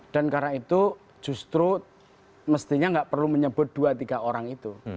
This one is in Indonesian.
karena itu justru mestinya nggak perlu menyebut dua tiga orang itu